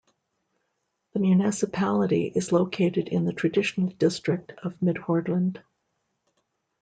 The municipality is located in the traditional district of Midhordland.